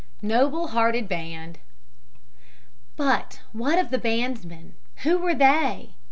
NOBLE HEARTED BAND "But what of the bandsmen? Who were they?"